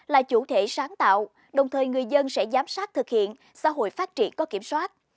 là chủ thể sáng tạo đồng thời người dân sẽ giám sát thực hiện xã hội phát triển có kiểm soát